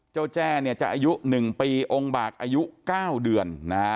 เจ้าแจ้จะอายุหนึ่งปีองค์บากอายุเก้าเดือน